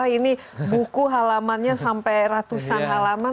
ini buku halamannya sampai ratusan halaman